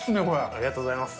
ありがとうございます。